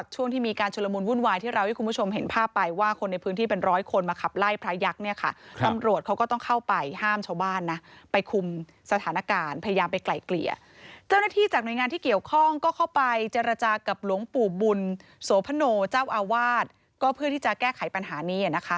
เจ้าหน้าที่จากหน่วยงานก็เข้าไปจะระจากกับหลวงปู่บุญสวโพโพรโนตอาวาสเพื่อที่จะแก้ไขปัญหานี้